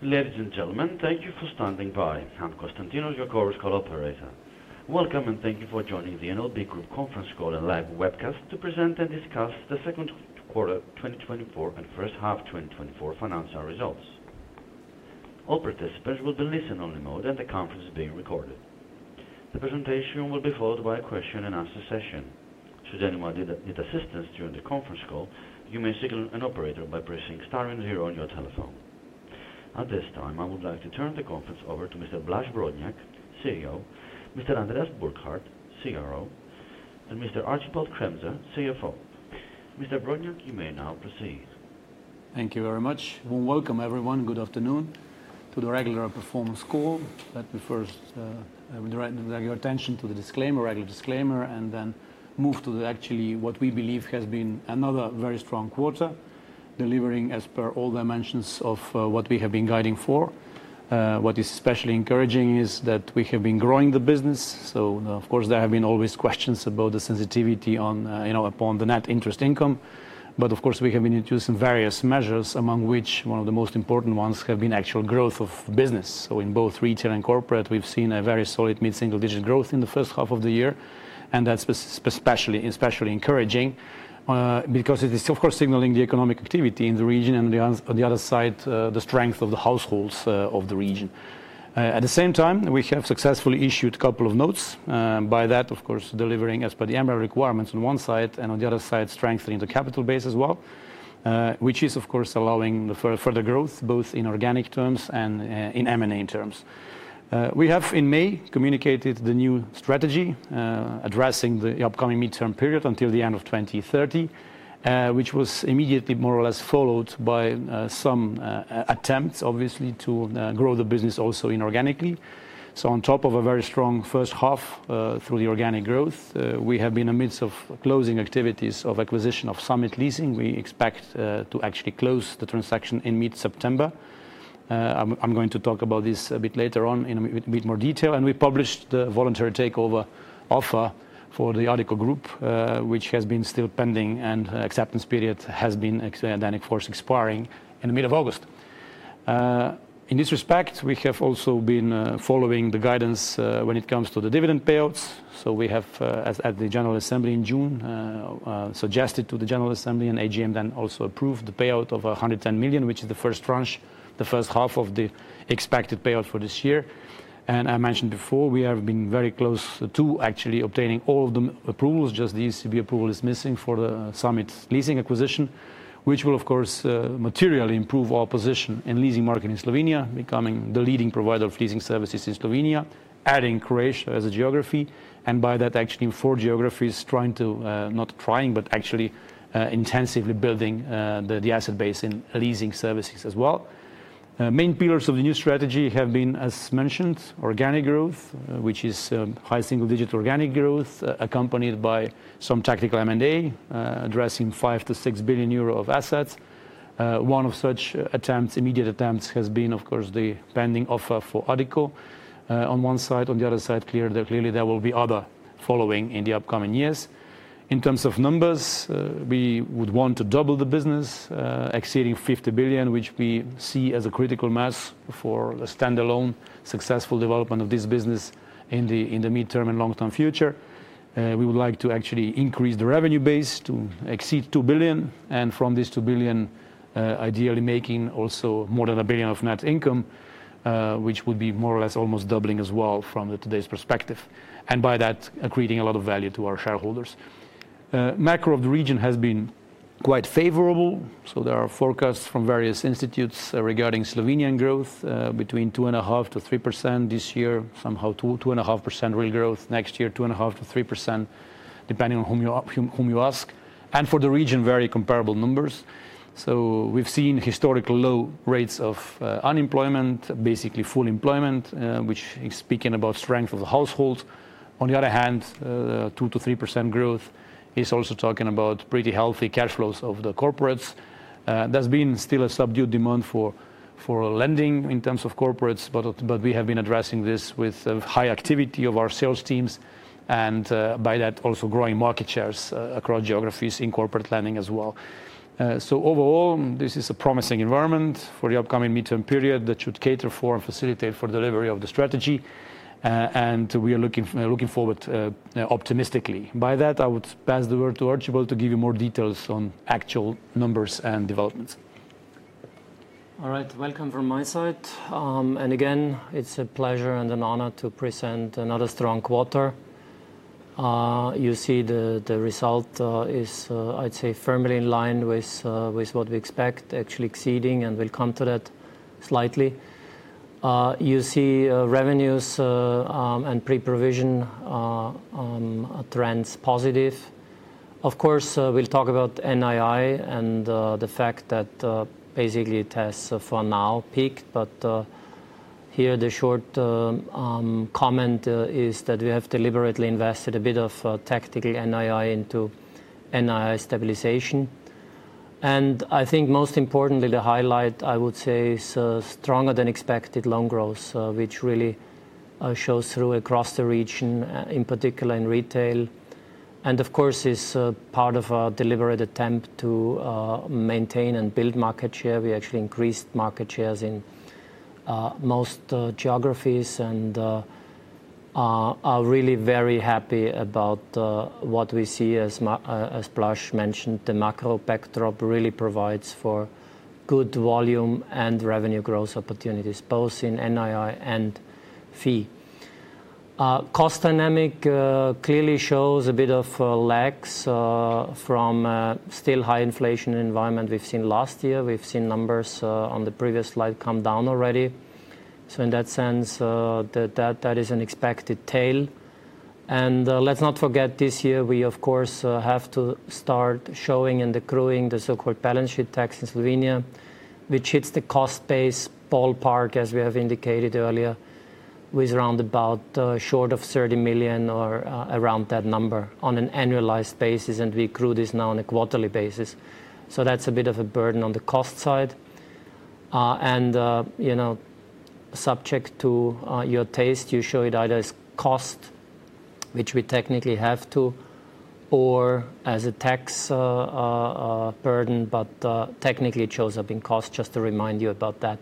Ladies and gentlemen, thank you for standing by. I'm Constantinos, your conference call operator. Welcome, and thank you for joining the NLB Group conference call and live webcast to present and discuss the second quarter 2024 and first half 2024 financial results. All participants will be in listen-only mode, and the conference is being recorded. The presentation will be followed by a question and answer session. Should anyone need assistance during the conference call, you may signal an operator by pressing star and zero on your telephone. At this time, I would like to turn the conference over to Mr. Blaž Brodnjak, CEO, Mr. Andreas Burkhardt, CRO, and Mr. Archibald Kremser, CFO. Mr. Brodnjak, you may now proceed. Thank you very much, and welcome, everyone. Good afternoon to the regular performance call. Let me first direct your attention to the disclaimer, regular disclaimer, and then move to actually what we believe has been another very strong quarter, delivering as per all dimensions of what we have been guiding for. What is especially encouraging is that we have been growing the business. So of course, there have been always questions about the sensitivity on, you know, upon the net interest income. But of course, we have been introducing various measures, among which one of the most important ones have been actual growth of business. So in both retail and corporate, we've seen a very solid mid-single-digit growth in the first half of the year, and that's especially encouraging, because it is of course signaling the economic activity in the region, and on the other side the strength of the households of the region. At the same time, we have successfully issued a couple of notes, by that, of course, delivering as per the MREL requirements on one side and on the other side, strengthening the capital base as well, which is, of course, allowing for further growth, both in organic terms and in M&A terms. We have in May communicated the new strategy, addressing the upcoming midterm period until the end of 2030, which was immediately more or less followed by some attempts, obviously, to grow the business also inorganically. So on top of a very strong first half through the organic growth, we have been in the midst of closing activities of acquisition of Summit Leasing. We expect to actually close the transaction in mid-September. I'm going to talk about this a bit later on in a bit more detail, and we published the voluntary takeover offer for the Addiko Group, which has been still pending, and acceptance period has been actually, of course, expiring in the middle of August. In this respect, we have also been following the guidance when it comes to the dividend payouts. So we have, as at the general assembly in June, suggested to the general assembly, and AGM then also approved the payout of 110 million, which is the first tranche, the first half of the expected payout for this year. And I mentioned before, we have been very close to actually obtaining all of the approvals. Just the ECB approval is missing for the Summit Leasing acquisition, which will of course, materially improve our position in leasing market in Slovenia, becoming the leading provider of leasing services in Slovenia, adding Croatia as a geography, and by that, actually four geographies, trying to, not trying, but actually, intensively building, the, the asset base in leasing services as well. Main pillars of the new strategy have been, as mentioned, organic growth, which is, high single-digit organic growth, accompanied by some tactical M&A, addressing 5-6 billion euro of assets. One of such attempts, immediate attempts, has been, of course, the pending offer for Addiko, on one side. On the other side, clear that clearly there will be other following in the upcoming years. In terms of numbers, we would want to double the business, exceeding 50 billion, which we see as a critical mass for the standalone successful development of this business in the, in the midterm and long-term future. We would like to actually increase the revenue base to exceed 2 billion, and from this 2 billion, ideally making also more than 1 billion of net income, which would be more or less almost doubling as well from today's perspective, and by that, accreting a lot of value to our shareholders. Macro of the region has been quite favorable, so there are forecasts from various institutes regarding Slovenian growth, between 2.5%-3% this year, somehow 2-2.5% real growth next year, 2.5%-3%, depending on whom you, whom you ask, and for the region, very comparable numbers. So we've seen historical low rates of unemployment, basically full employment, which is speaking about strength of the households. On the other hand, 2%-3% growth is also talking about pretty healthy cash flows of the corporates. There's been still a subdued demand for lending in terms of corporates, but we have been addressing this with high activity of our sales teams and, by that, also growing market shares across geographies in corporate lending as well. So overall, this is a promising environment for the upcoming midterm period that should cater for and facilitate for delivery of the strategy, and we are looking forward optimistically. By that, I would pass the word to Archibald to give you more details on actual numbers and developments. All right. Welcome from my side. And again, it's a pleasure and an honor to present another strong quarter. You see the result is, I'd say firmly in line with what we expect, actually exceeding, and we'll come to that slightly. You see, revenues and pre-provision trends positive. Of course, we'll talk about NII and the fact that basically it has for now peaked, but here, the short comment is that we have deliberately invested a bit of tactical NII into NII stabilization. And I think most importantly, the highlight, I would say, is stronger than expected loan growth, which really shows through across the region, in particular in retail... And of course, it's part of a deliberate attempt to maintain and build market share. We actually increased market shares in most geographies, and are really very happy about what we see as Blaž mentioned. The macro backdrop really provides for good volume and revenue growth opportunities, both in NII and fee. Cost dynamic clearly shows a bit of lags from still high inflation environment we've seen last year. We've seen numbers on the previous slide come down already. So in that sense, that is an expected tail. And let's not forget this year, we, of course, have to start showing and accruing the so-called balance sheet tax in Slovenia, which hits the cost base ballpark, as we have indicated earlier, with around about short of 30 million or around that number on an annualized basis, and we accrue this now on a quarterly basis. So that's a bit of a burden on the cost side. And, you know, subject to your taste, you show it either as cost, which we technically have to, or as a tax burden, but technically it shows up in cost, just to remind you about that.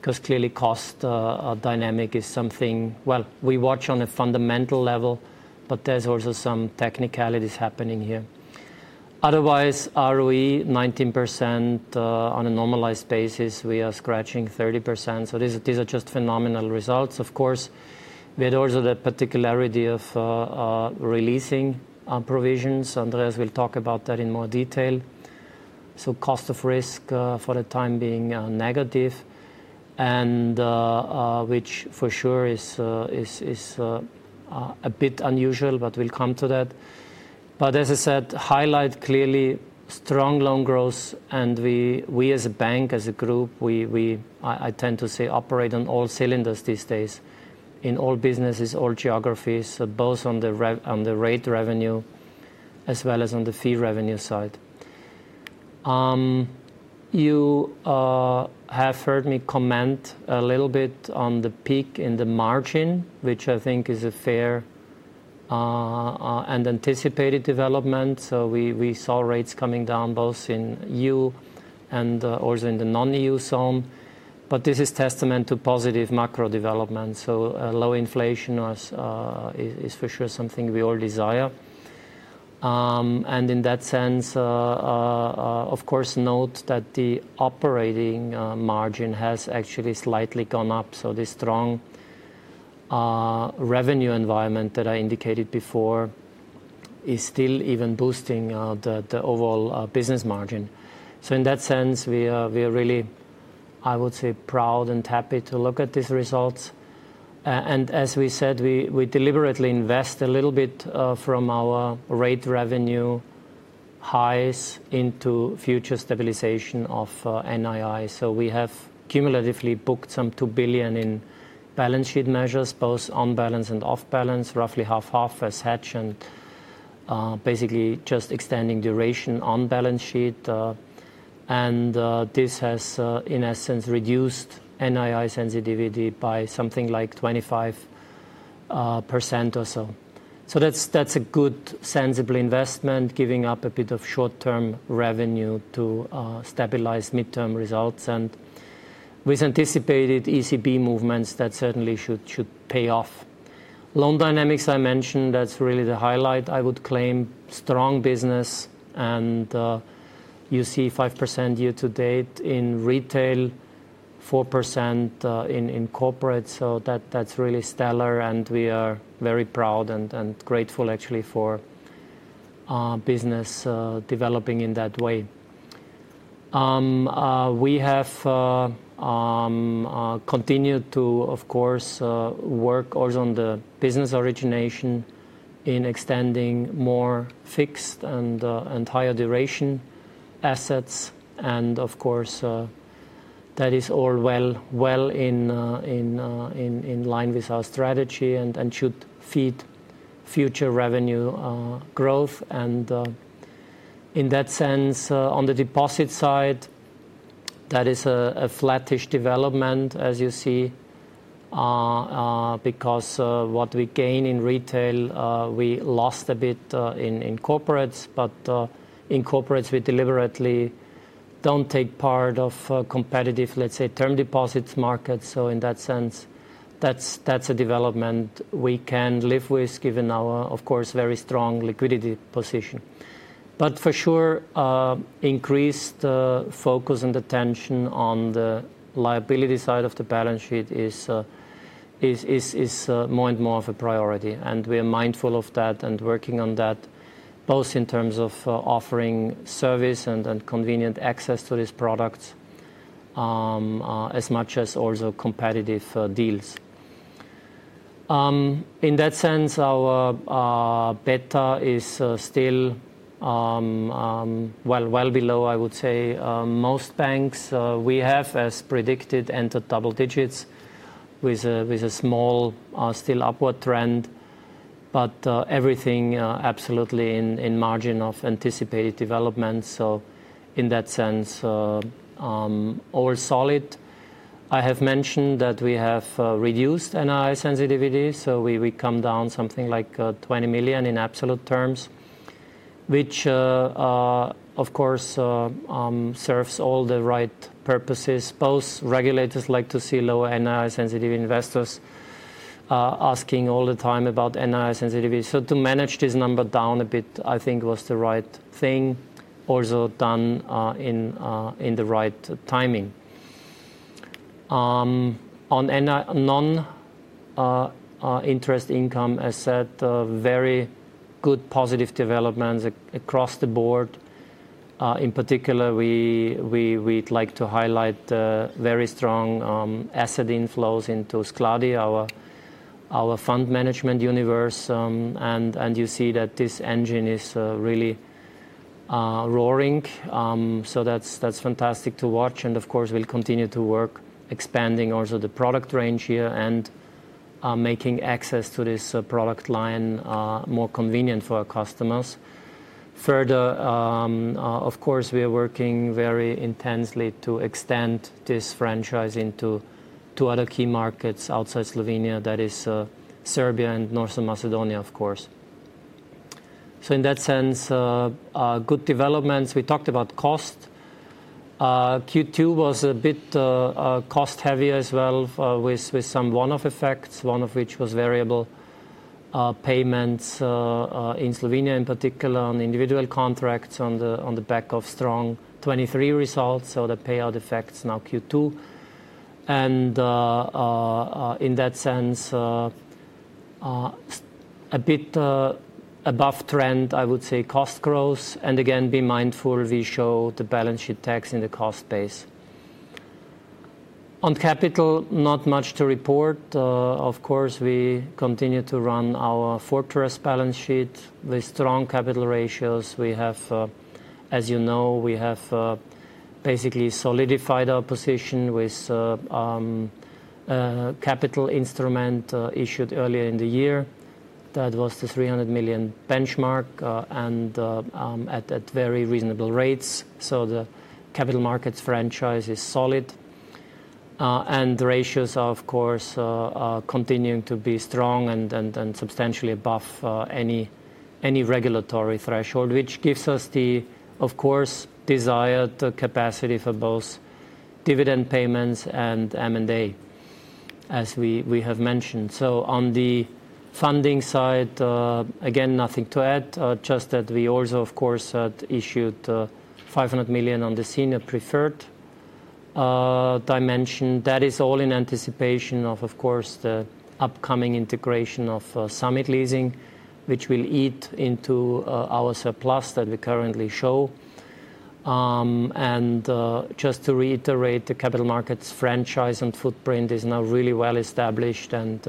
Because clearly, cost dynamic is something, well, we watch on a fundamental level, but there's also some technicalities happening here. Otherwise, ROE 19%. On a normalized basis, we are scratching 30%, so these are just phenomenal results. Of course, we had also the particularity of releasing provisions. Andreas will talk about that in more detail. So cost of risk, for the time being, negative, and which for sure is a bit unusual, but we'll come to that. But as I said, highlight clearly strong loan growth, and we as a bank, as a group, we tend to say, operate on all cylinders these days, in all businesses, all geographies, both on the rate revenue as well as on the fee revenue side. You have heard me comment a little bit on the peak in the margin, which I think is a fair and anticipated development. So we saw rates coming down, both in EU and or in the non-EU zone, but this is testament to positive macro development. So low inflation is for sure something we all desire. And in that sense, of course, note that the operating margin has actually slightly gone up, so the strong revenue environment that I indicated before is still even boosting the overall business margin. So in that sense, we are really, I would say, proud and happy to look at these results. And as we said, we deliberately invest a little bit from our rate revenue highs into future stabilization of NII. So we have cumulatively booked some 2 billion in balance sheet measures, both on balance and off balance, roughly 50/50 as hedge, and basically just extending duration on balance sheet. And this has in essence reduced NII sensitivity by something like 25% or so. So that's a good, sensible investment, giving up a bit of short-term revenue to stabilize midterm results. And with anticipated ECB movements, that certainly should pay off. Loan dynamics, I mentioned, that's really the highlight, I would claim. Strong business, and you see 5% year to date in retail, 4% in corporate, so that's really stellar, and we are very proud and grateful actually for our business developing in that way. We have continued to, of course, work also on the business origination in extending more fixed and higher duration assets. And of course, that is all well in line with our strategy and should feed future revenue growth. In that sense, on the deposit side, that is a flattish development, as you see, because what we gain in retail, we lost a bit in corporates. But in corporates, we deliberately don't take part of competitive, let's say, term deposits market. So in that sense, that's a development we can live with, given our, of course, very strong liquidity position. But for sure, increased focus and attention on the liability side of the balance sheet is more and more of a priority, and we are mindful of that and working on that, both in terms of offering service and convenient access to this product, as much as also competitive deals. In that sense, our beta is still well below, I would say, most banks. We have, as predicted, entered double digits with a small, still upward trend, but everything absolutely in margin of anticipated development. So in that sense, all solid. I have mentioned that we have reduced NI sensitivity, so we come down something like 20 million in absolute terms, which, of course, serves all the right purposes. Both regulators like to see lower NI-sensitive investors asking all the time about NI sensitivity. So to manage this number down a bit, I think was the right thing, also done in the right timing. On non-interest income, I said very good positive developments across the board. In particular, we'd like to highlight the very strong asset inflows into Skladi, our fund management universe. And you see that this engine is really roaring. So that's fantastic to watch, and of course, we'll continue to work expanding also the product range here and making access to this product line more convenient for our customers. Further, of course, we are working very intensely to extend this franchise into two other key markets outside Slovenia, that is, Serbia and North Macedonia, of course. So in that sense, good developments. We talked about cost. Q2 was a bit cost-heavier as well, with some one-off effects, one of which was variable payments in Slovenia, in particular, on individual contracts on the back of strong 2023 results, so the payout effect's now Q2. And in that sense, a bit above trend, I would say, cost growth. And again, be mindful, we show the balance sheet tax in the cost base. On capital, not much to report. Of course, we continue to run our fortress balance sheet with strong capital ratios. We have. As you know, we have basically solidified our position with capital instrument issued earlier in the year. That was the 300 million benchmark and at very reasonable rates. So the capital markets franchise is solid. And the ratios are, of course, continuing to be strong and substantially above any regulatory threshold, which gives us the, of course, desired capacity for both dividend payments and M&A, as we have mentioned. So on the funding side, again, nothing to add, just that we also, of course, had issued 500 million on the senior preferred dimension. That is all in anticipation of, of course, the upcoming integration of Summit Leasing, which will eat into our surplus that we currently show. And just to reiterate, the capital markets franchise and footprint is now really well-established, and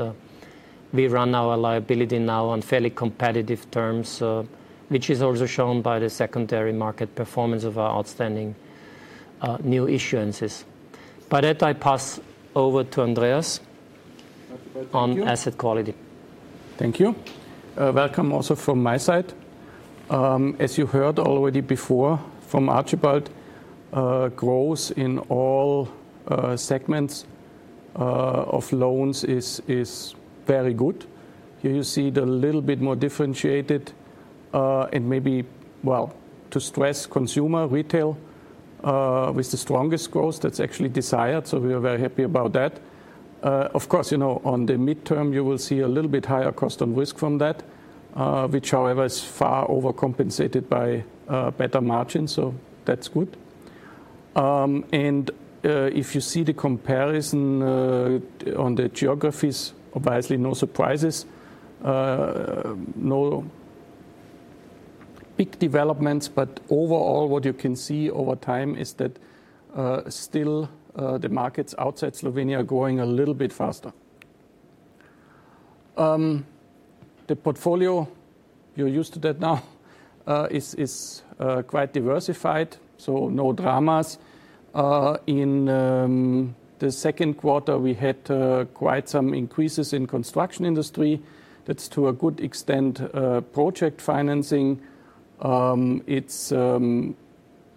we run our liability now on fairly competitive terms, which is also shown by the secondary market performance of our outstanding new issuances. But I pass over to Andreas- Thank you. on asset quality. Thank you. Welcome also from my side. As you heard already before from Archibald, growth in all segments of loans is very good. Here you see it a little bit more differentiated, and maybe, well, to stress consumer retail with the strongest growth, that's actually desired, so we are very happy about that. Of course, you know, on the midterm, you will see a little bit higher cost and risk from that, which, however, is far overcompensated by better margins, so that's good. And if you see the comparison on the geographies, obviously no surprises, no big developments, but overall, what you can see over time is that still the markets outside Slovenia are growing a little bit faster. The portfolio, you're used to that now, is quite diversified, so no dramas. In the second quarter, we had quite some increases in construction industry. That's to a good extent project financing. It's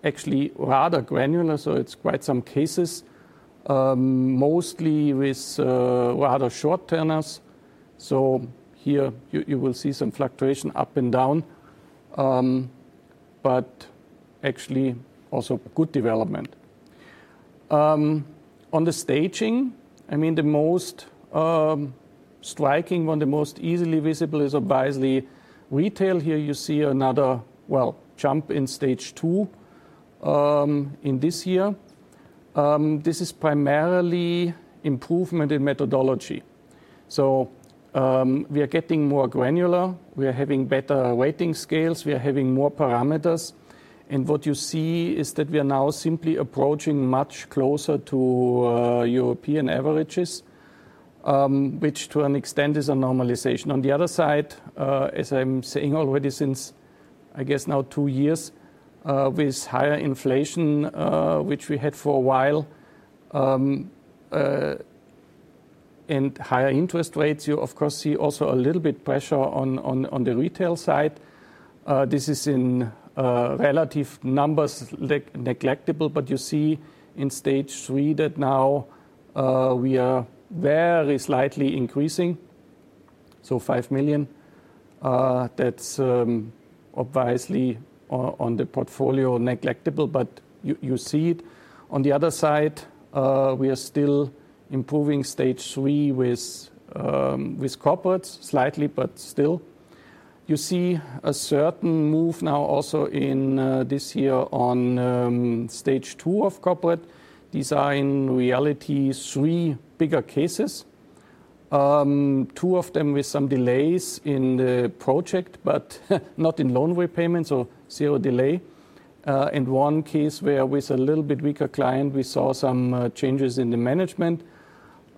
actually rather granular, so it's quite some cases, mostly with rather short tenors. So here, you will see some fluctuation up and down, but actually also good development. On the staging, I mean, the most striking, one of the most easily visible is obviously retail. Here you see another, well, jump in stage two in this year. This is primarily improvement in methodology. So, we are getting more granular, we are having better weighting scales, we are having more parameters, and what you see is that we are now simply approaching much closer to European averages, which to an extent is a normalization. On the other side, as I'm saying already since, I guess now two years, with higher inflation, which we had for a while, and higher interest rates, you of course see also a little bit pressure on the retail side. This is in relative numbers, negligible, but you see in stage three that now we are very slightly increasing, so 5 million. That's obviously on the portfolio negligible, but you see it. On the other side, we are still improving stage three with corporates, slightly, but still. You see a certain move now also in this year on stage two of corporate. These are in reality 3 bigger cases, 2 of them with some delays in the project, but not in loan repayments, so 0 delay. In one case, where with a little bit weaker client, we saw some changes in the management.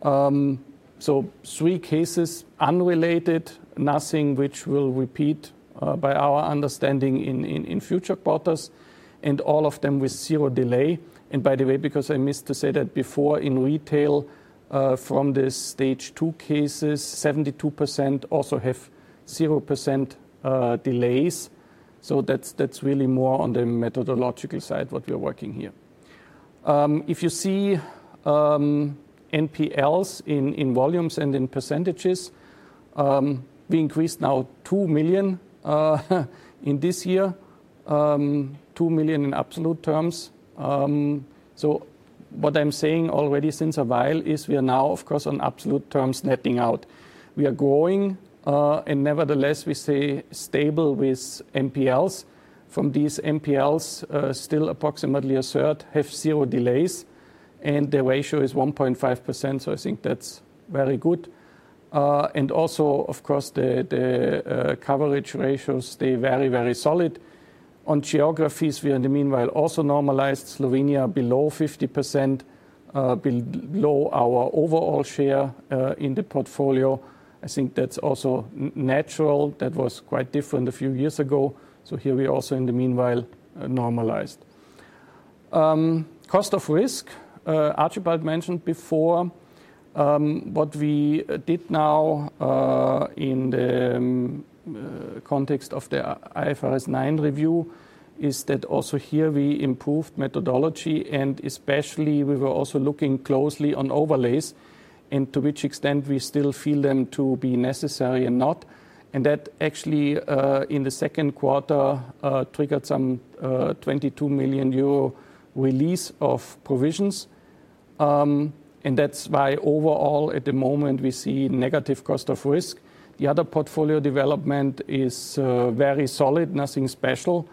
So 3 cases, unrelated, nothing which will repeat, by our understanding in future quarters, and all of them with 0 delay. And by the way, because I missed to say that before in retail, from the stage two cases, 72% also have 0% delays, so that's really more on the methodological side, what we're working here. If you see NPLs in volumes and in percentages, we increased now 2 million in this year, 2 million in absolute terms. So what I'm saying already since a while is we are now, of course, on absolute terms, netting out. We are growing, and nevertheless, we stay stable with NPLs. From these NPLs, still approximately a third have zero delays, and the ratio is 1.5%, so I think that's very good. And also, of course, the coverage ratios stay very, very solid. On geographies, we in the meanwhile also normalized Slovenia below 50%, below our overall share in the portfolio. I think that's also natural. That was quite different a few years ago, so here we also in the meanwhile normalized. Cost of risk, Archibald mentioned before, what we did now, in the context of the IFRS 9 review, is that also here we improved methodology, and especially, we were also looking closely on overlays, and to which extent we still feel them to be necessary and not. And that actually, in the second quarter, triggered some 22 million euro release of provisions. And that's why, overall, at the moment, we see negative cost of risk. The other portfolio development is very solid, nothing special.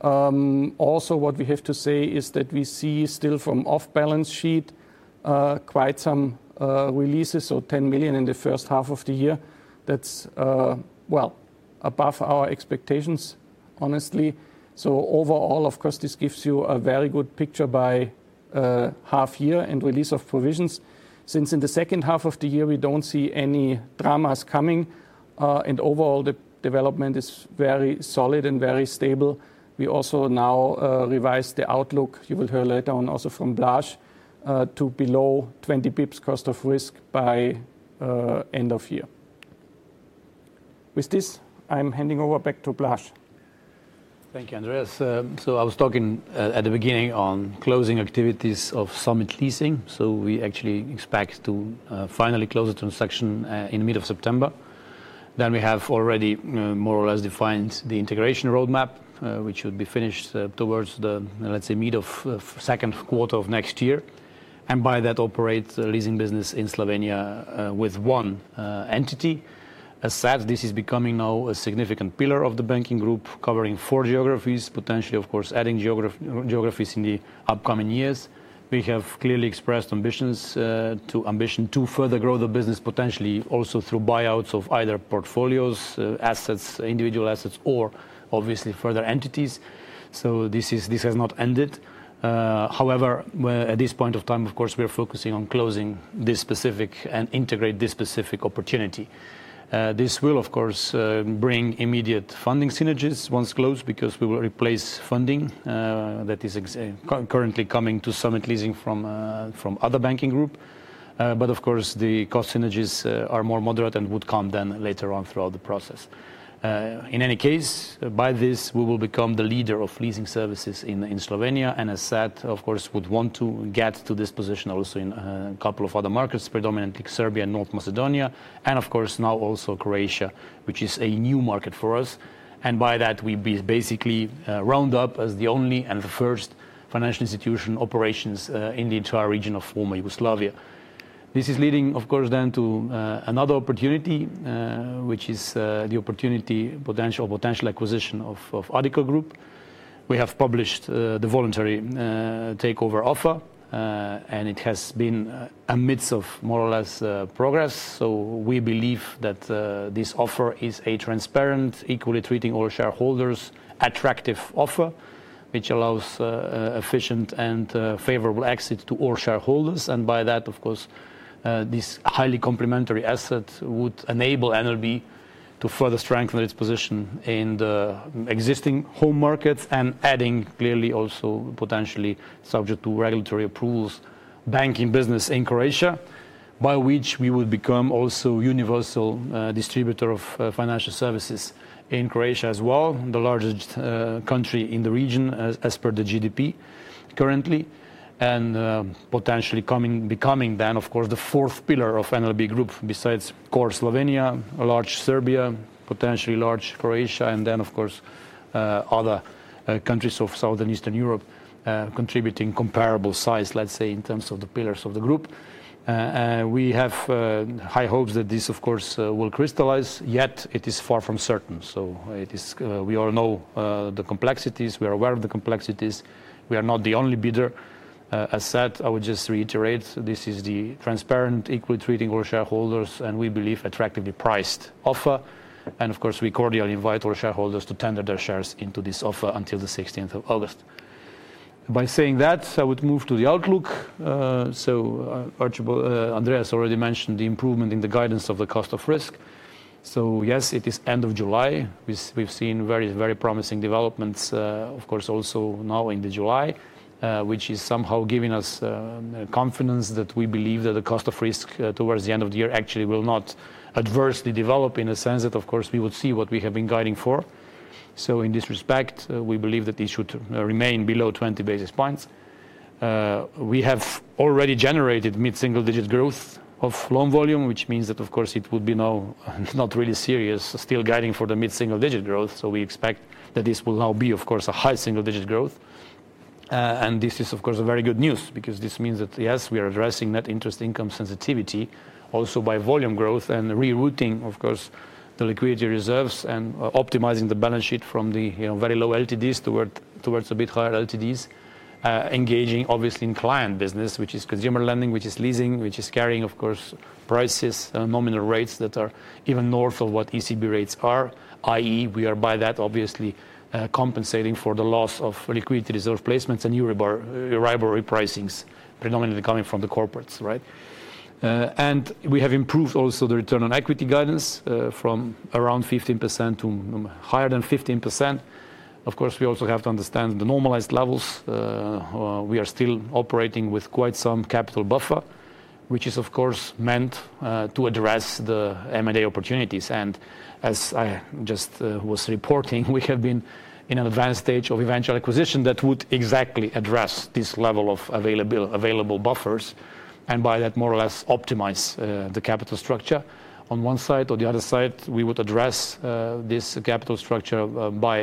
Also, what we have to say is that we see still from off balance sheet quite some releases, so 10 million in the first half of the year. That's well above our expectations, honestly. So overall, of course, this gives you a very good picture by half year and release of provisions. Since in the second half of the year, we don't see any dramas coming, and overall, the development is very solid and very stable. We also now revise the outlook, you will hear later on also from Blaž, to below 20 basis points cost of risk by end of year. With this, I'm handing over back to Blaž. Thank you, Andreas. So I was talking at the beginning on closing activities of Summit Leasing, so we actually expect to finally close the transaction in the middle of September. Then we have already more or less defined the integration roadmap, which will be finished towards the, let's say, middle of second quarter of next year, and by that, operate the leasing business in Slovenia with one entity. As said, this is becoming now a significant pillar of the banking group, covering four geographies, potentially, of course, adding geographies in the upcoming years. We have clearly expressed ambitions to further grow the business, potentially also through buyouts of either portfolios, assets, individual assets, or obviously, further entities. So this has not ended. However, at this point of time, of course, we are focusing on closing this specific and integrate this specific opportunity. This will, of course, bring immediate funding synergies once closed, because we will replace funding that is currently coming to Summit Leasing from, from other banking group. But of course, the cost synergies are more moderate and would come then later on throughout the process. In any case, by this, we will become the leader of leasing services in, in Slovenia, and as said, of course, would want to get to this position also in a couple of other markets, predominantly Serbia and North Macedonia, and of course, now also Croatia, which is a new market for us. And by that, we be basically round up as the only and the first financial institution operations in the entire region of former Yugoslavia. This is leading, of course, then to another opportunity, which is the opportunity, potential, potential acquisition of Addiko Group. We have published the voluntary takeover offer, and it has been amidst of more or less progress. So we believe that this offer is a transparent, equally treating all shareholders, attractive offer, which allows efficient and favorable access to all shareholders. And by that, of course, this highly complementary asset would enable NLB to further strengthen its position in the existing home markets and adding clearly also, potentially, subject to regulatory approvals, banking business in Croatia. by which we will become also universal distributor of financial services in Croatia as well, the largest country in the region as per the GDP currently. And potentially coming, becoming then, of course, the fourth pillar of NLB Group, besides core Slovenia, a large Serbia, potentially large Croatia, and then, of course, other countries of Southeastern Europe, contributing comparable size, let's say, in terms of the pillars of the group. We have high hopes that this, of course, will crystallize, yet it is far from certain. So it is, we all know, the complexities. We are aware of the complexities. We are not the only bidder. As said, I would just reiterate, this is the transparent, equally treating all shareholders, and we believe attractively priced offer. Of course, we cordially invite all shareholders to tender their shares into this offer until the 16th of August. By saying that, I would move to the outlook. Archibald, Andreas already mentioned the improvement in the guidance of the cost of risk. So yes, it is end of July. We've seen very, very promising developments, of course, also now into July, which is somehow giving us confidence that we believe that the cost of risk towards the end of the year actually will not adversely develop in a sense that, of course, we would see what we have been guiding for. So in this respect, we believe that this should remain below 20 basis points. We have already generated mid-single-digit growth of loan volume, which means that, of course, it would be now not really serious, still guiding for the mid-single-digit growth. So we expect that this will now be, of course, a high single-digit growth. And this is, of course, a very good news because this means that, yes, we are addressing net interest income sensitivity also by volume growth and rerouting, of course, the liquidity reserves and optimizing the balance sheet from the, you know, very low LTDs toward a bit higher LTDs. Engaging obviously in client business, which is consumer lending, which is leasing, which is carrying, of course, prices, nominal rates that are even north of what ECB rates are, i.e., we are by that obviously compensating for the loss of liquidity reserve placements and Euribor repricings, predominantly coming from the corporates, right? And we have improved also the return on equity guidance from around 15% to higher than 15%. Of course, we also have to understand the normalized levels. We are still operating with quite some capital buffer, which is, of course, meant to address the M&A opportunities. And as I just was reporting, we have been in an advanced stage of eventual acquisition that would exactly address this level of available buffers, and by that, more or less optimize the capital structure on one side. On the other side, we would address this capital structure by,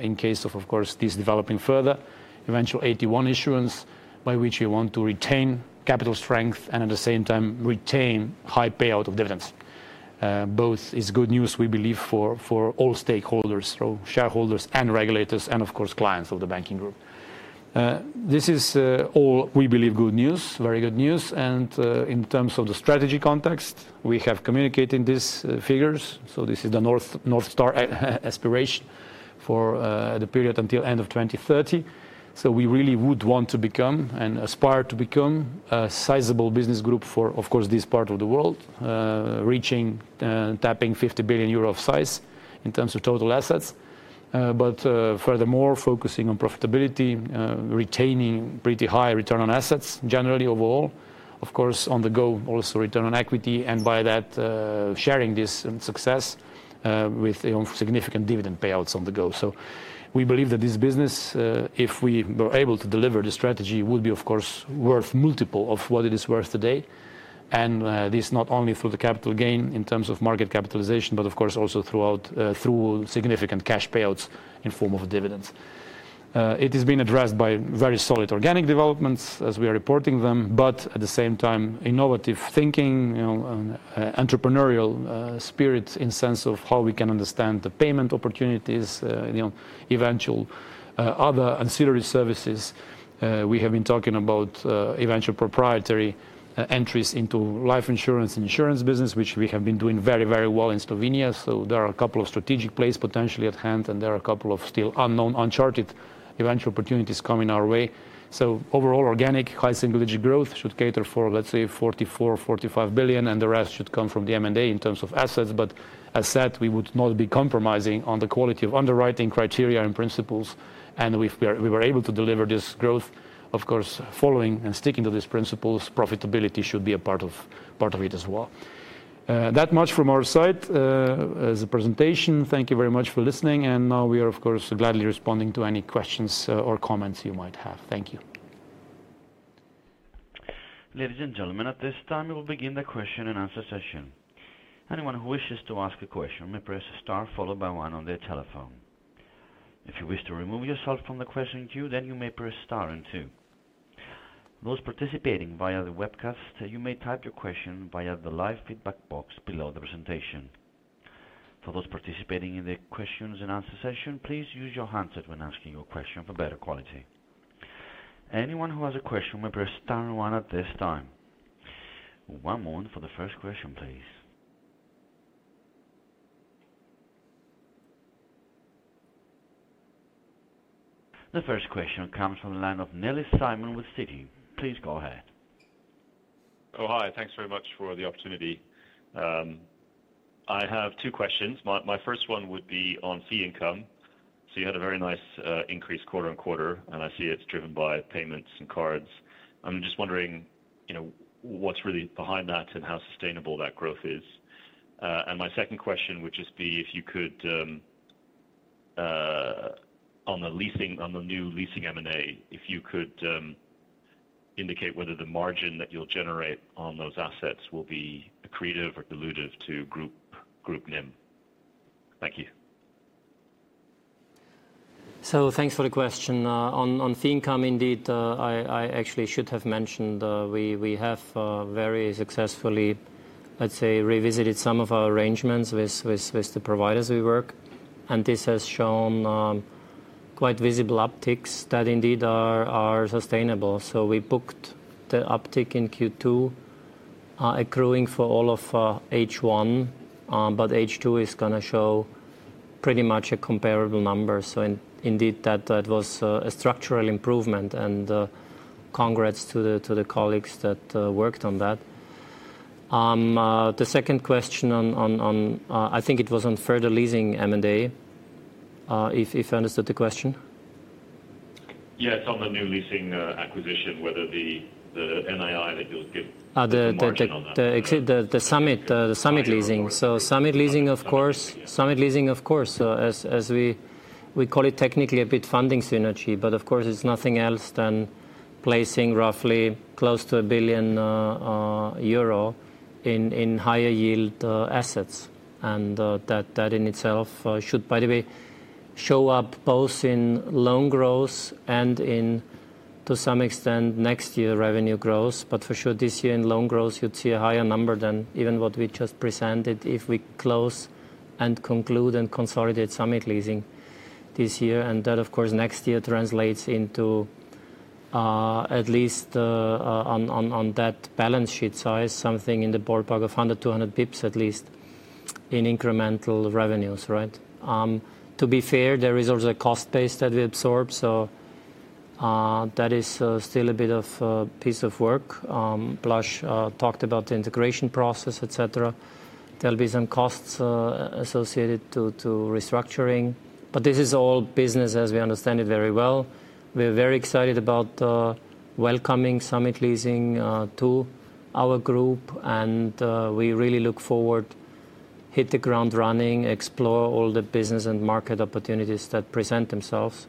in case of, of course, this developing further eventual AT1 issuance, by which we want to retain capital strength and at the same time retain high payout of dividends. Both is good news, we believe, for all stakeholders, so shareholders and regulators and of course, clients of the banking group. This is all we believe, good news, very good news. And, in terms of the strategy context, we have communicated these figures, so this is the North Star aspiration for the period until end of 2030. So we really would want to become and aspire to become a sizable business group for, of course, this part of the world, reaching, tapping 50 billion euro of size in terms of total assets. But, furthermore, focusing on profitability, retaining pretty high return on assets generally overall, of course, on the go, also return on equity, and by that, sharing this success, with, you know, significant dividend payouts on the go. We believe that this business, if we were able to deliver the strategy, would be of course worth multiple of what it is worth today. This not only through the capital gain in terms of market capitalization, but of course also throughout through significant cash payouts in form of dividends. It is being addressed by very solid organic developments as we are reporting them, but at the same time innovative thinking, you know, and entrepreneurial spirit in sense of how we can understand the payment opportunities, you know, eventual other ancillary services. We have been talking about eventual proprietary entries into life insurance, insurance business, which we have been doing very, very well in Slovenia. So there are a couple of strategic plays potentially at hand, and there are a couple of still unknown, uncharted eventual opportunities coming our way. So overall, organic, high single-digit growth should cater for, let's say, 44 billion or 45 billion, and the rest should come from the M&A in terms of assets. But as said, we would not be compromising on the quality of underwriting criteria and principles, and we were able to deliver this growth. Of course, following and sticking to these principles, profitability should be a part of, part of it as well. That much from our side, as a presentation. Thank you very much for listening, and now we are, of course, gladly responding to any questions or comments you might have. Thank you. Ladies and gentlemen, at this time, we will begin the question and answer session. Anyone who wishes to ask a question may press star followed by one on their telephone. If you wish to remove yourself from the question queue, then you may press star and two. Those participating via the webcast, you may type your question via the live feedback box below the presentation. For those participating in the questions and answer session, please use your handset when asking your question for better quality. Anyone who has a question may press star one at this time. One moment for the first question, please. The first question comes from the line of Nelly Simon with Citi. Please go ahead. Oh, hi. Thanks very much for the opportunity. I have two questions. My, my first one would be on fee income. So you had a very nice increase quarter-over-quarter, and I see it's driven by payments and cards. I'm just wondering, you know, what's really behind that and how sustainable that growth is? And my second question would just be, if you could, on the leasing, on the new leasing M&A, if you could, indicate whether the margin that you'll generate on those assets will be accretive or dilutive to group, Group NIM. Thank you. So thanks for the question. On fee income, indeed, I actually should have mentioned, we have very successfully, let's say, revisited some of our arrangements with the providers we work. And this has shown quite visible upticks that indeed are sustainable. So we booked the uptick in Q2, accruing for all of H1, but H2 is gonna show pretty much a comparable number. So indeed, that was a structural improvement, and congrats to the colleagues that worked on that. The second question on, I think it was on further leasing M&A, if I understood the question. Yes, on the new leasing acquisition, whether the NII that you'll give- Uh, the, the- The margin on that. The Summit Leasing. Summit Leasing So Summit Leasing, of course, Summit Leasing, of course, as we call it technically a bit funding synergy, but of course it's nothing else than placing roughly close to 1 billion euro in higher yield assets. And that in itself should, by the way, show up both in loan growth and in, to some extent, next year revenue growth. But for sure, this year in loan growth, you'd see a higher number than even what we just presented if we close and conclude and consolidate Summit Leasing this year. And that, of course, next year translates into at least on that balance sheet size, something in the ballpark of 100-200 basis points, at least, in incremental revenues, right? To be fair, there is also a cost base that we absorb, so that is still a bit of piece of work. Blaž talked about the integration process, et cetera. There'll be some costs associated to restructuring, but this is all business as we understand it very well. We're very excited about welcoming Summit Leasing to our group, and we really look forward, hit the ground running, explore all the business and market opportunities that present themselves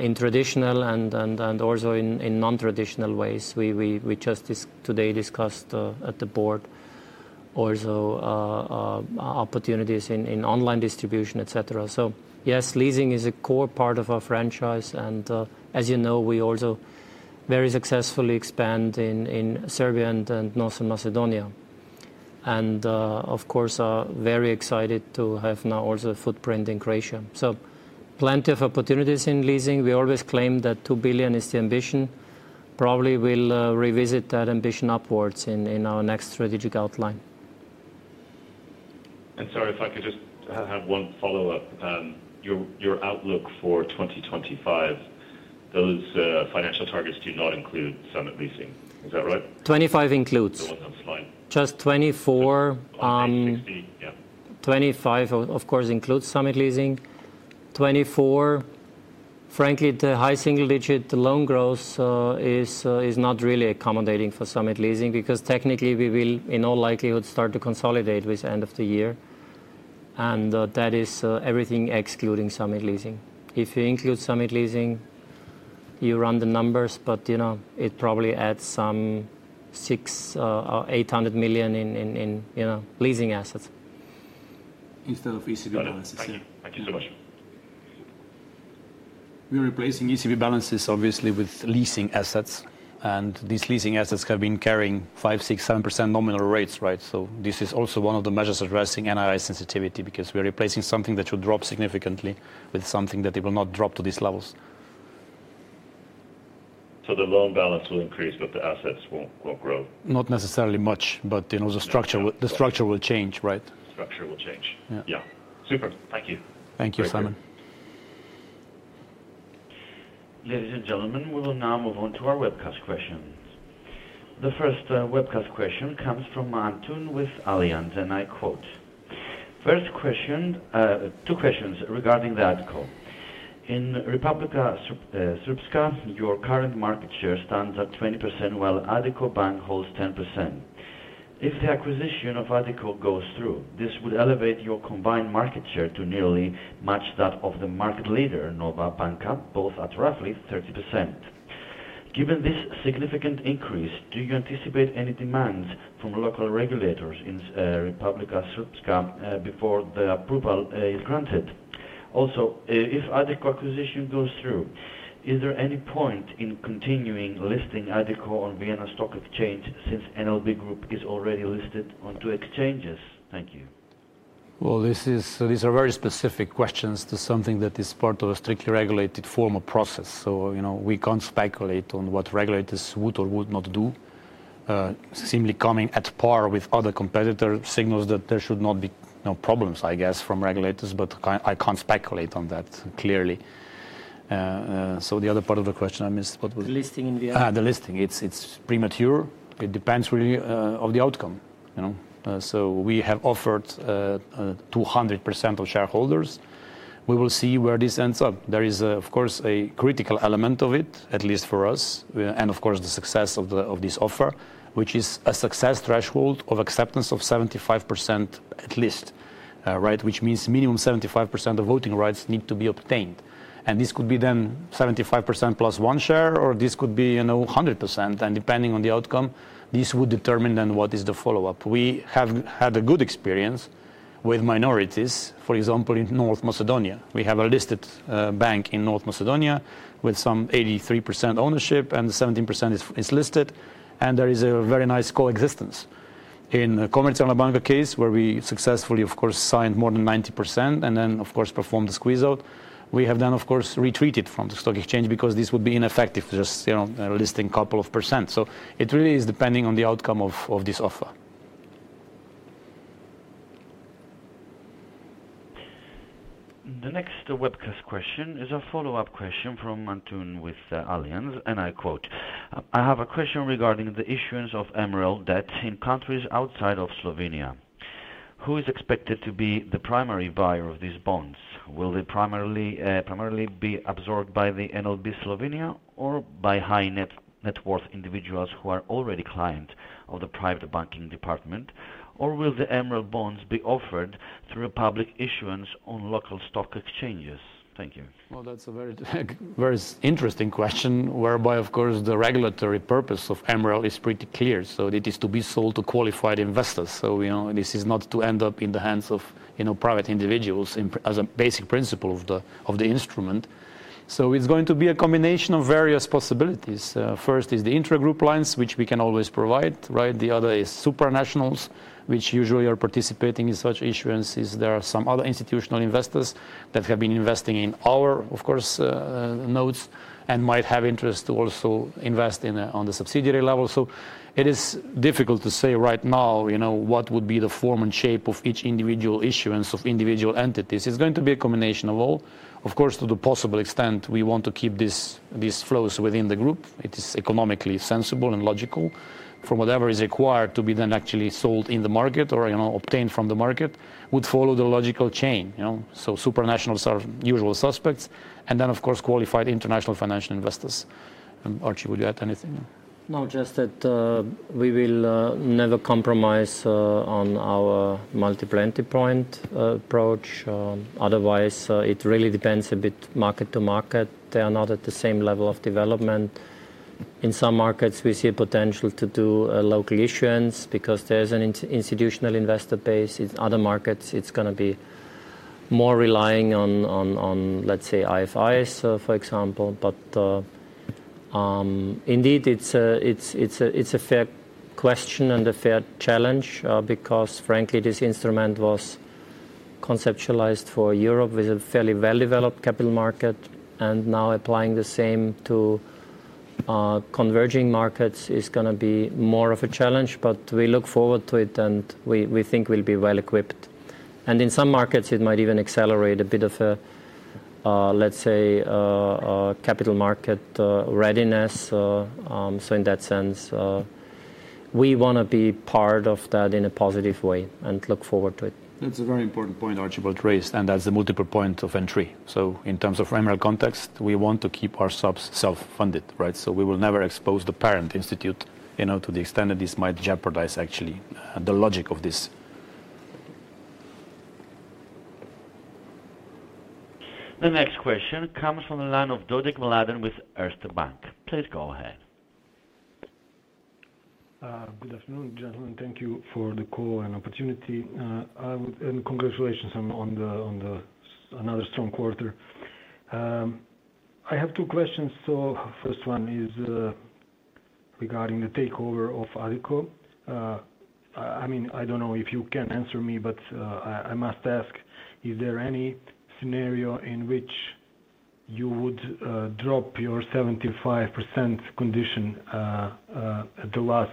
in traditional and also in non-traditional ways. We just today discussed at the board also opportunities in online distribution, et cetera. So yes, leasing is a core part of our franchise, and, as you know, we also very successfully expand in Serbia and North Macedonia, and, of course, are very excited to have now also a footprint in Croatia. Plenty of opportunities in leasing. We always claim that 2 billion is the ambition. Probably we'll revisit that ambition upwards in our next strategic outline. And sorry, if I could just have one follow-up. Your, your outlook for 2025, those financial targets do not include Summit Leasing, is that right? Twenty-five includes. So that's fine. Just 24, On page 60, yeah. 25, of course, includes Summit Leasing. 24, frankly, the high single digit loan growth is not really accommodating for Summit Leasing, because technically we will in all likelihood start to consolidate with end of the year, and that is everything excluding Summit Leasing. If you include Summit Leasing, you run the numbers, but you know, it probably adds some 600 million or 800 million in leasing assets. Instead of ECB balances. Got it. Thank you. Thank you so much. We are replacing ECB balances, obviously, with leasing assets, and these leasing assets have been carrying 5, 6, 7% nominal rates, right? So this is also one of the measures addressing NII sensitivity, because we are replacing something that should drop significantly with something that it will not drop to these levels. So the loan balance will increase, but the assets won't grow? Not necessarily much, but, you know, the structure, the structure will change, right? The structure will change. Yeah. Yeah. Super. Thank you. Thank you, Simon. Thank you. Ladies and gentlemen, we will now move on to our webcast questions. The first webcast question comes from Antoon with Allianz, and I quote: "First question, two questions regarding the Addiko. In Republika Srpska, your current market share stands at 20%, while Addiko Bank holds 10%. If the acquisition of Addiko goes through, this would elevate your combined market share to nearly match that of the market leader, Nova Banka, both at roughly 30%. Given this significant increase, do you anticipate any demands from local regulators in Republika Srpska before the approval is granted? Also, if Addiko acquisition goes through, is there any point in continuing listing Addiko on Vienna Stock Exchange since NLB Group is already listed on two exchanges? Thank you. Well, this is... These are very specific questions to something that is part of a strictly regulated formal process. So, you know, we can't speculate on what regulators would or would not do. Seemingly coming at par with other competitor signals that there should not be no problems, I guess, from regulators, but I, I can't speculate on that, clearly. So the other part of the question, I missed. What was? The listing in the- Ah, the listing. It's premature. It depends really on the outcome, you know? So we have offered 200% of shareholders. We will see where this ends up. There is, of course, a critical element of it, at least for us, and of course, the success of this offer, which is a success threshold of acceptance of 75% at least, right? Which means minimum 75% of voting rights need to be obtained. And this could be then 75% plus one share, or this could be, you know, 100%, and depending on the outcome, this would determine then what is the follow-up. We have had a good experience with minorities. For example, in North Macedonia, we have a listed bank in North Macedonia with some 83% ownership, and 17% is listed, and there is a very nice coexistence. In the Commercial Bank case, where we successfully, of course, signed more than 90%, and then, of course, performed the squeeze out, we have then, of course, retreated from the stock exchange because this would be ineffective, just, you know, listing a couple of %. So it really is depending on the outcome of this offer. The next webcast question is a follow-up question from Antoon with Allianz, and I quote: "I have a question regarding the issuance of MREL debt in countries outside of Slovenia. Who is expected to be the primary buyer of these bonds? Will they primarily primarily be absorbed by the NLB Slovenia or by high net-net worth individuals who are already client of the private banking department? Or will the MREL Bonds be offered through a public issuance on local stock exchanges? Thank you. Well, that's a very very interesting question, whereby, of course, the regulatory purpose of MREL is pretty clear. So it is to be sold to qualified investors. So, you know, this is not to end up in the hands of, you know, private individuals in... as a basic principle of the, of the instrument. So it's going to be a combination of various possibilities. First is the intragroup lines, which we can always provide, right? The other is supranationals, which usually are participating in such issuances. There are some other institutional investors that have been investing in our, of course, notes, and might have interest to also invest in, on the subsidiary level. So it is difficult to say right now, you know, what would be the form and shape of each individual issuance of individual entities. It's going to be a combination of all. Of course, to the possible extent, we want to keep these, these flows within the group. It is economically sensible and logical for whatever is acquired to be then actually sold in the market or, you know, obtained from the market, would follow the logical chain, you know. So supranationals are usual suspects, and then, of course, qualified international financial investors. And Archie, would you add anything? No, just that, we will never compromise on our multiple entry point approach. Otherwise, it really depends a bit market to market. They are not at the same level of development. In some markets, we see a potential to do local issuance because there's an institutional investor base. In other markets, it's gonna be more relying on, let's say, IFIs, for example. But, indeed, it's a fair question and a fair challenge, because frankly, this instrument was conceptualized for Europe with a fairly well-developed capital market, and now applying the same to converging markets is gonna be more of a challenge. But we look forward to it, and we think we'll be well equipped. And in some markets, it might even accelerate a bit of a, let's say, a capital market readiness, so in that sense, we wanna be part of that in a positive way and look forward to it. That's a very important point Archie both raised, and that's the multiple point of entry. So in terms of MREL context, we want to keep our subs self-funded, right? So we will never expose the parent institute, you know, to the extent that this might jeopardize actually, the logic of this. The next question comes from the line of Dodi Mladen with Erste Bank. Please go ahead. Good afternoon, gentlemen. Thank you for the call and opportunity. And congratulations on another strong quarter. I have two questions. So first one is, regarding the takeover of Addiko. I mean, I don't know if you can answer me, but, I must ask, is there any scenario in which you would drop your 75% condition at the last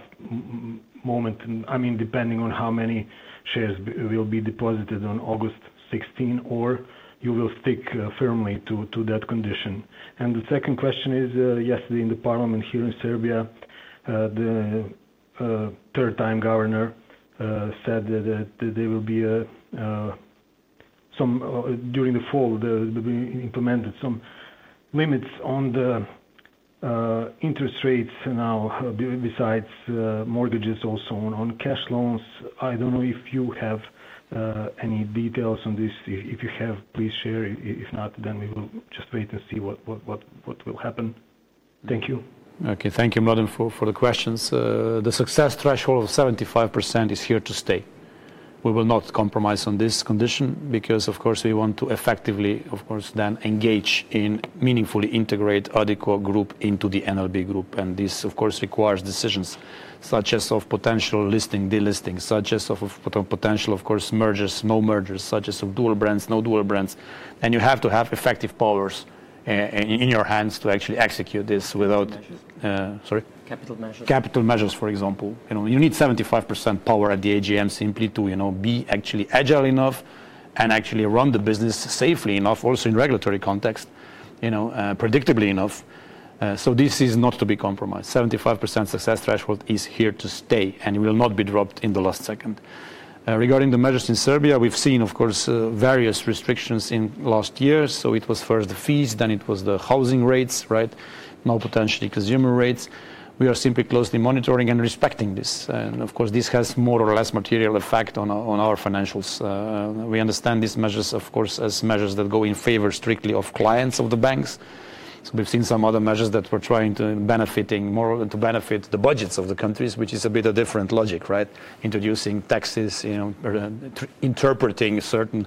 moment? I mean, depending on how many shares will be deposited on August 16, or you will stick firmly to that condition. And the second question is, yesterday in the parliament here in Serbia, the third time governor said that there will be some during the fall, there will be implemented some limits on the interest rates now, besides mortgages, also on cash loans. I don't know if you have any details on this. If you have, please share. If not, then we will just wait and see what will happen. Thank you. Okay, thank you, Mladen, for the questions. The success threshold of 75% is here to stay. We will not compromise on this condition because, of course, we want to effectively, of course, then engage in meaningfully integrate Addiko Group into the NLB Group, and this, of course, requires decisions such as of potential listing, delisting, such as of, of potential, of course, mergers, no mergers, such as of dual brands, no dual brands. And you have to have effective powers in your hands to actually execute this without- Capital measures. Uh, sorry? Capital measures. Capital measures, for example. You know, you need 75% power at the AGM simply to, you know, be actually agile enough and actually run the business safely enough, also in regulatory context, you know, predictably enough. So this is not to be compromised. 75% success threshold is here to stay, and it will not be dropped in the last second. Regarding the measures in Serbia, we've seen, of course, various restrictions in last years. So it was first the fees, then it was the housing rates, right? Now, potentially consumer rates. We are simply closely monitoring and respecting this, and of course, this has more or less material effect on, on our financials. We understand these measures, of course, as measures that go in favor strictly of clients of the banks. So we've seen some other measures that we're trying to benefit more—to benefit the budgets of the countries, which is a bit of different logic, right? Introducing taxes, you know, or interpreting certain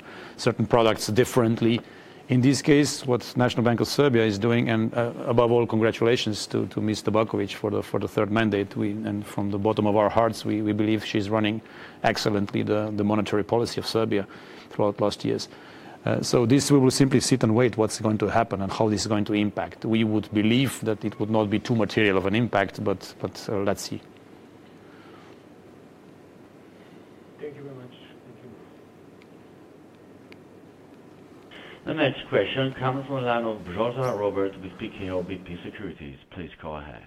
products differently. In this case, what National Bank of Serbia is doing, and above all, congratulations to Ms. Tabaković for the third mandate. And from the bottom of our hearts, we believe she's running excellently the monetary policy of Serbia throughout the last years. So this, we will simply sit and wait, what's going to happen and how this is going to impact. We would believe that it would not be too material of an impact, but let's see. Thank you very much. Thank you. The next question comes from the line of Joseph Robert, with PKO BP Securities. Please go ahead.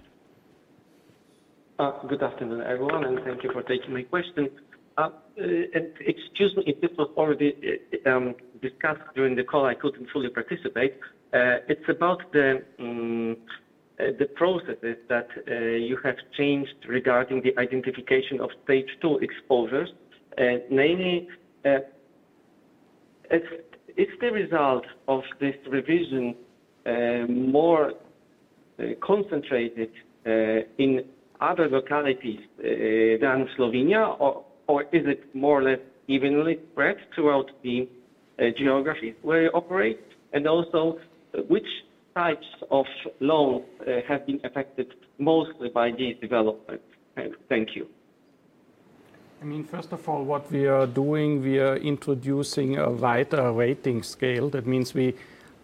Good afternoon, everyone, and thank you for taking my question. Excuse me, if this was already discussed during the call, I couldn't fully participate. It's about the processes that you have changed regarding the identification of stage two exposures. Namely, is the result of this revision more concentrated in other localities than Slovenia or is it more or less evenly spread throughout the geographies where you operate? And also, which types of loans have been affected mostly by these developments? Thank you. I mean, first of all, what we are doing, we are introducing a wider rating scale. That means we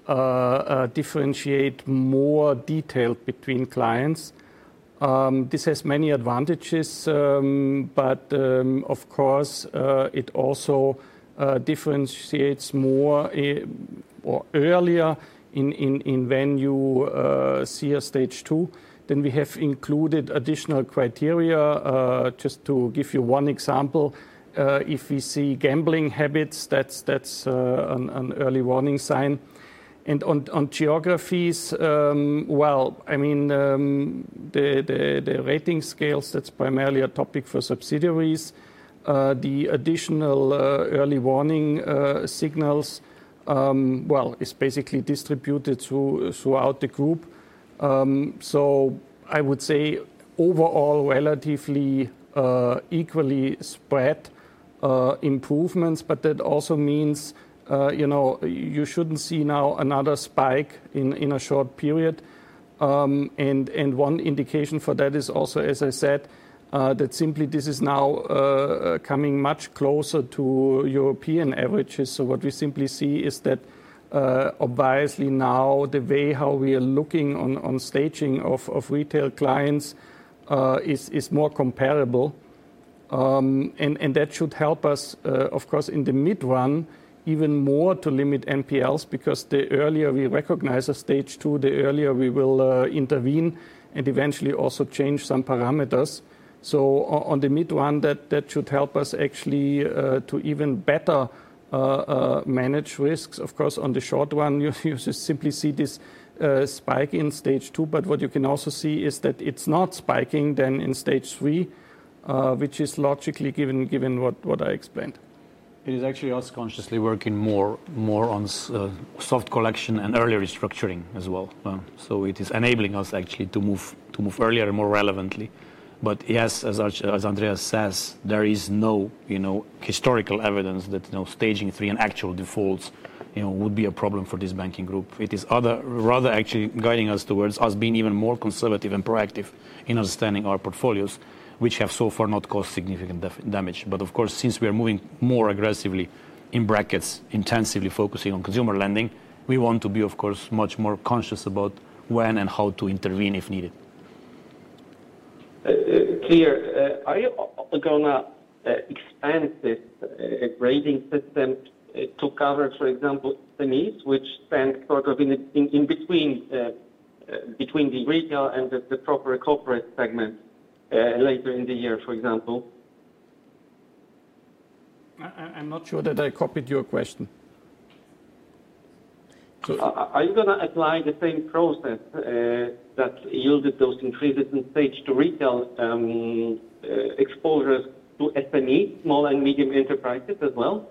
differentiate more detail between clients. This has many advantages, but of course it also differentiates more or earlier in when you see a stage two. Then we have included additional criteria. Just to give you one example, if you see gambling habits, that's an early warning sign. And on geographies, well, I mean, the rating scales, that's primarily a topic for subsidiaries. The additional early warning signals well is basically distributed throughout the group. So I would say overall, relatively equally spread improvements, but that also means you know you shouldn't see now another spike in a short period. And one indication for that is also, as I said, that simply this is now coming much closer to European averages. So what we simply see is that obviously now the way how we are looking on staging of retail clients is more comparable. And that should help us, of course, in the mid run, even more to limit NPLs, because the earlier we recognize a stage two, the earlier we will intervene and eventually also change some parameters. So on the mid run, that should help us actually to even better manage risks. Of course, on the short run, you simply see this spike in stage two, but what you can also see is that it's not spiking then in stage three, which is logically given, given what I explained. It is actually us consciously working more, more on soft collection and earlier restructuring as well. So it is enabling us actually to move, to move earlier and more relevantly. But yes, as Andreas says, there is no, you know, historical evidence that, you know, stage three and actual defaults, you know, would be a problem for this banking group. It is, rather, actually guiding us towards us being even more conservative and proactive in understanding our portfolios, which have so far not caused significant damage. But of course, since we are moving more aggressively, in brackets, intensively focusing on consumer lending, we want to be, of course, much more conscious about when and how to intervene, if needed. Clear. Are you also gonna expand this rating system to cover, for example, SMEs, which stands sort of in between the retail and the proper corporate segment later in the year, for example? I'm not sure that I copied your question. Are you gonna apply the same process that yielded those increases in stage two retail exposures to SME, small and medium enterprises as well?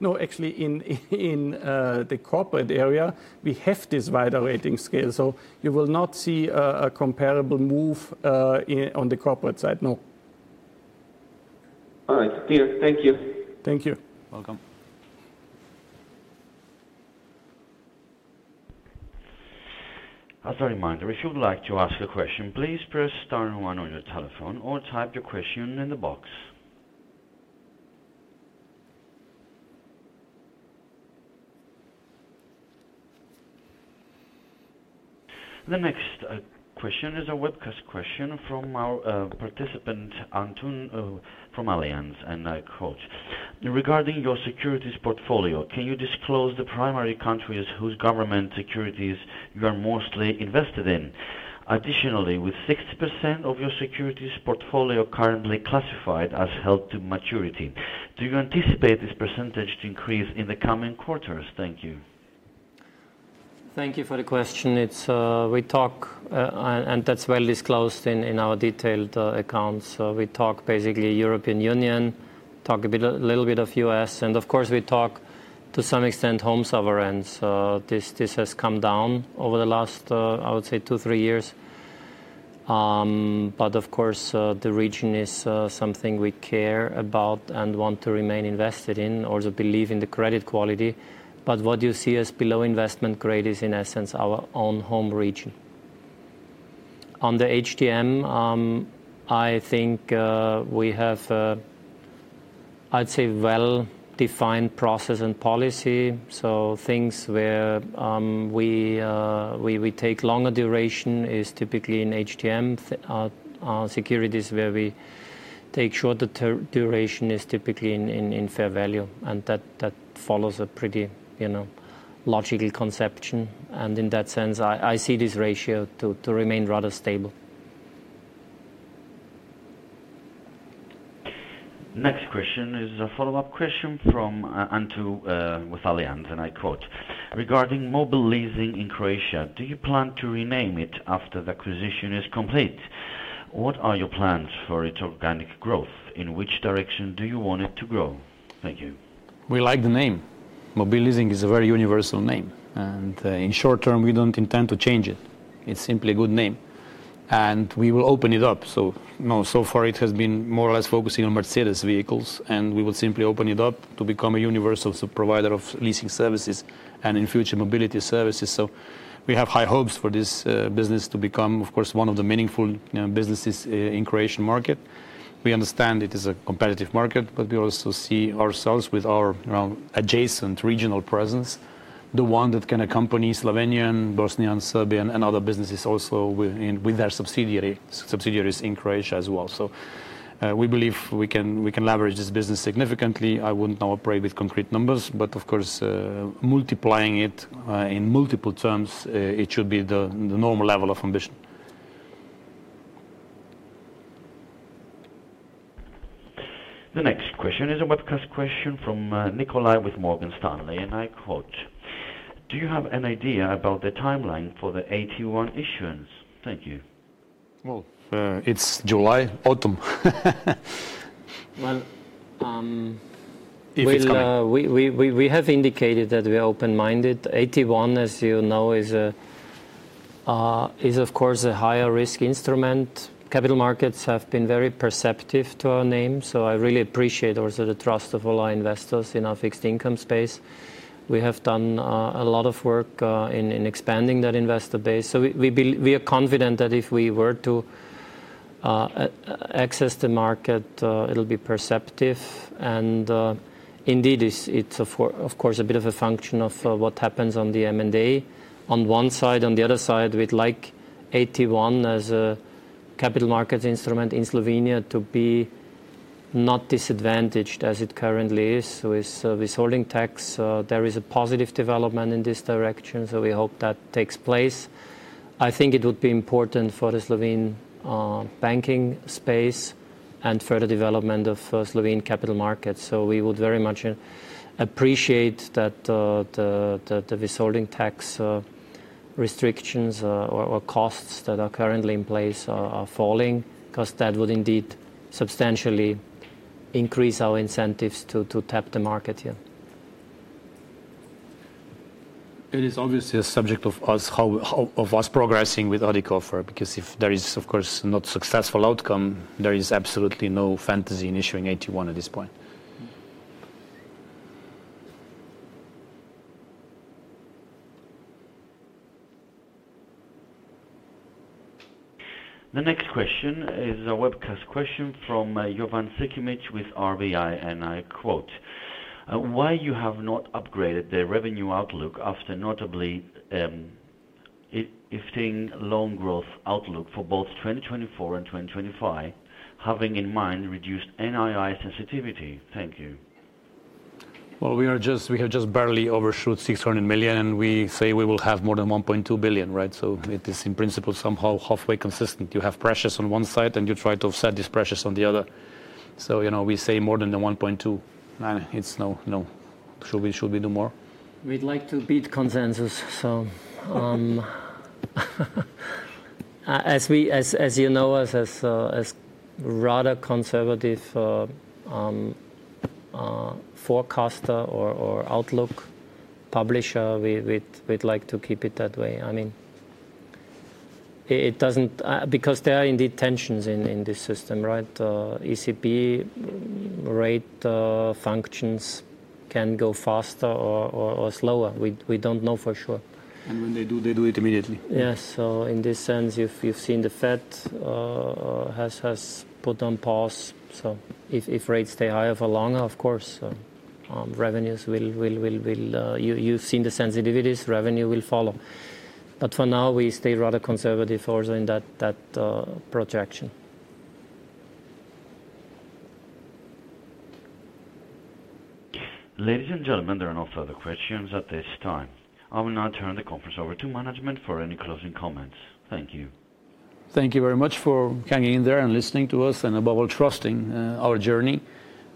No, actually, in the corporate area, we have this wider rating scale, so you will not see a comparable move on the corporate side, no. All right. Clear. Thank you. Thank you. Welcome. As a reminder, if you would like to ask a question, please press star and one on your telephone or type your question in the box.... The next question is a webcast question from our participant, Antoon from Allianz, and I quote, "Regarding your securities portfolio, can you disclose the primary countries whose government securities you are mostly invested in? Additionally, with 60% of your securities portfolio currently classified as held to maturity, do you anticipate this percentage to increase in the coming quarters? Thank you. Thank you for the question. It's, we talk, and, and that's well disclosed in, in our detailed, accounts. So we talk basically European Union, talk a bit, a little bit of US, and of course, we talk to some extent home sovereigns. So this, this has come down over the last, I would say two, three years. But of course, the region is, something we care about and want to remain invested in, or to believe in the credit quality. But what you see as below investment grade is, in essence, our own home region. On the HTM, I think, we have, I'd say, well-defined process and policy. So things where, we, we, we take longer duration is typically in HTM. Our securities, where we take shorter term duration, is typically in fair value, and that follows a pretty, you know, logical conception, and in that sense, I see this ratio to remain rather stable. Next question is a follow-up question from Antoon with Allianz, and I quote: "Regarding Mobil Leasing in Croatia, do you plan to rename it after the acquisition is complete? What are your plans for its organic growth? In which direction do you want it to grow? Thank you. We like the name. Mobil Leasing is a very universal name, and in short term, we don't intend to change it. It's simply a good name, and we will open it up. So, you know, so far it has been more or less focusing on Mercedes vehicles, and we will simply open it up to become a universal provider of leasing services and, in future, mobility services. So we have high hopes for this business to become, of course, one of the meaningful businesses in Croatian market. We understand it is a competitive market, but we also see ourselves with our, you know, adjacent regional presence, the one that can accompany Slovenian, Bosnian, Serbian, and other businesses also with their subsidiaries in Croatia as well. So we believe we can leverage this business significantly. I wouldn't now operate with concrete numbers, but of course, multiplying it in multiple terms, it should be the normal level of ambition. The next question is a webcast question from Nikolai with Morgan Stanley, and I quote: "Do you have an idea about the timeline for the AT1 issuance? Thank you. Well, it's July, autumn. Well, um- It is coming. We have indicated that we are open-minded. AT1, as you know, is of course a higher risk instrument. Capital markets have been very perceptive to our name, so I really appreciate also the trust of all our investors in our fixed income space. We have done a lot of work in expanding that investor base. So we are confident that if we were to access the market, it'll be perceptive and indeed it's of course a bit of a function of what happens on the M&A on one side. On the other side, we'd like AT1 as a capital markets instrument in Slovenia to be not disadvantaged as it currently is. So with withholding tax there is a positive development in this direction, so we hope that takes place. I think it would be important for the Slovene banking space and further development of Slovene capital markets. So we would very much appreciate that the withholding tax restrictions or costs that are currently in place are falling, 'cause that would indeed substantially increase our incentives to tap the market here. It is obviously a subject of us, how of us progressing with Addiko, because if there is, of course, not successful outcome, there is absolutely no fantasy in issuing AT1 at this point. The next question is a webcast question from Jovan Sikimic with RBI, and I quote, "Why you have not upgraded the revenue outlook after notably lifting loan growth outlook for both 2024 and 2025, having in mind reduced NII sensitivity? Thank you. Well, we have just barely overshot 600 million, and we say we will have more than 1.2 billion, right? So it is, in principle, somehow halfway consistent. You have pressures on one side, and you try to offset these pressures on the other. So, you know, we say more than the 1.2 billion. I- It's no, no. Should we, should we do more? We'd like to beat consensus, so, as you know us as rather conservative forecaster or outlook publisher, we'd like to keep it that way. I mean, it doesn't... because there are indeed tensions in the system, right? ECB rate functions can go faster or slower. We don't know for sure. When they do, they do it immediately. Yes. So in this sense, you've seen the Fed has put on pause. So if rates stay higher for longer, of course, so-... Revenues will. You've seen the sensitivities, revenue will follow. But for now, we stay rather conservative also in that projection. Ladies and gentlemen, there are no further questions at this time. I will now turn the conference over to management for any closing comments. Thank you. Thank you very much for hanging in there and listening to us, and above all, trusting our journey.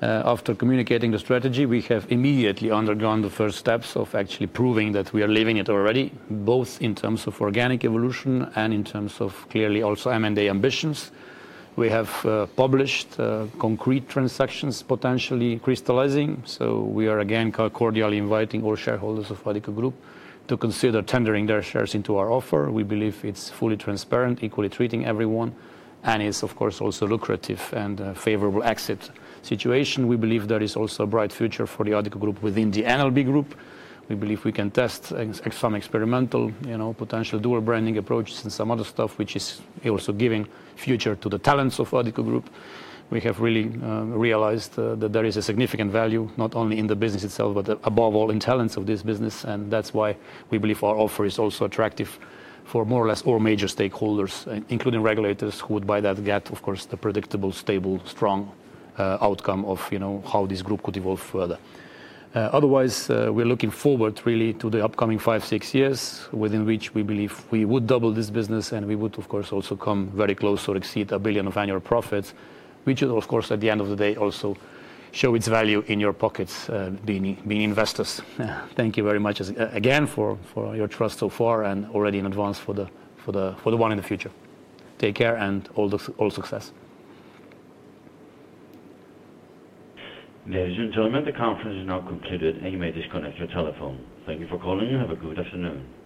After communicating the strategy, we have immediately undergone the first steps of actually proving that we are living it already, both in terms of organic evolution and in terms of clearly also M&A ambitions. We have published concrete transactions, potentially crystallizing, so we are again cordially inviting all shareholders of Addiko Group to consider tendering their shares into our offer. We believe it's fully transparent, equally treating everyone, and it's, of course, also lucrative and a favorable exit situation. We believe there is also a bright future for the Addiko Group within the NLB Group. We believe we can test ex-some experimental, you know, potential dual branding approaches and some other stuff, which is also giving future to the talents of Addiko Group. We have really realized that there is a significant value, not only in the business itself, but above all, in talents of this business, and that's why we believe our offer is also attractive for more or less all major stakeholders, including regulators, who would, by that, get, of course, the predictable, stable, strong outcome of, you know, how this group could evolve further. Otherwise, we're looking forward really to the upcoming 5-6 years, within which we believe we would double this business, and we would, of course, also come very close or exceed 1 billion of annual profits. Which would, of course, at the end of the day, also show its value in your pockets, being investors. Thank you very much, again, for your trust so far, and already in advance for the one in the future. Take care, and all success. Ladies and gentlemen, the conference is now concluded, and you may disconnect your telephone. Thank you for calling, and have a good afternoon.